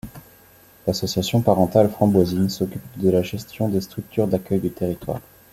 L’association parentale Framboisine s’occupe de la gestion des structures d’accueil du territoire.